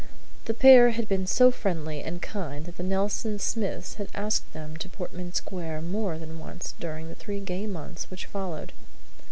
The pair had been so friendly and kind that the Nelson Smiths had asked them to Portman Square more than once during the three gay months which followed.